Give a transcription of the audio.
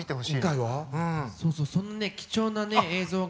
そうそうそうそのね貴重なね映像が。